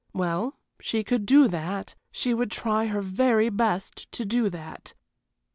Well, she could do that, she would try her very best to do that.